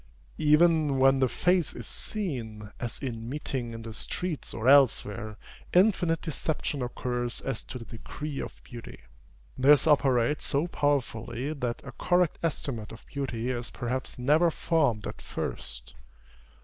Even when the face is seen, as in meeting in the streets or elsewhere, infinite deception occurs as to the degree of beauty. This operates so powerfully, that a correct estimate of beauty is perhaps never formed at first.